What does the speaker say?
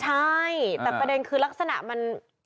ใช่แต่ประเด็นคือลักษณะมัน